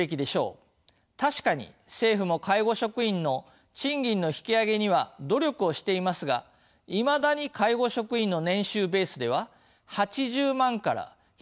確かに政府も介護職員の賃金の引き上げには努力をしていますがいまだに介護職員の年収ベースでは８０万から１００万円もの差があります。